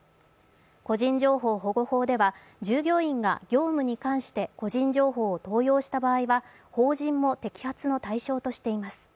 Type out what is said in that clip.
個人情報保護法では従業員が業務に関して個人情報を盗用した場合は法人も摘発の対象としています。